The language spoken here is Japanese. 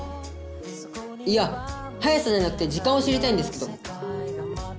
いや速さじゃなくて時間を知りたいんですけど。